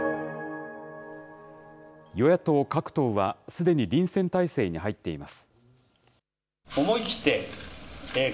与野党各党はすでに臨戦態勢に入っています。